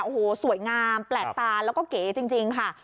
โอ้โหสวยงามแปลกตาแล้วก็เก๋จริงค่ะ